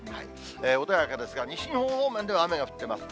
穏やかですが、西日本方面では雨が降っています。